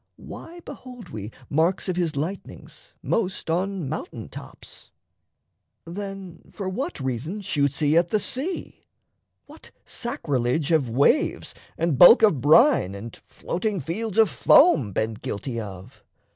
Why behold we Marks of his lightnings most on mountain tops? Then for what reason shoots he at the sea? What sacrilege have waves and bulk of brine And floating fields of foam been guilty of?